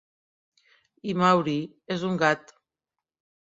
I Maury és un gat.